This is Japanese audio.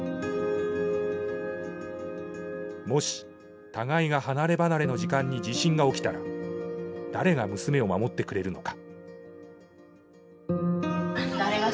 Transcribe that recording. もし互いが離れ離れの時間に地震が起きたら誰が娘を守ってくれるのか。